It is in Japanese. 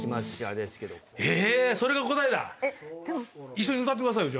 一緒に歌ってくださいよ。